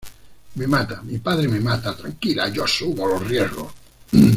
me mata, mi padre me mata. tranquila, yo asumo los riesgos.